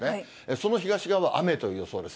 その東側、雨という予想です。